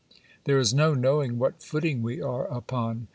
There is no knowing what footing we are upon.